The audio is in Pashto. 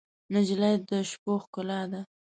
نجلۍ د شپو ښکلا ده.